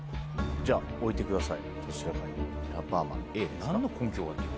じゃあ置いてください。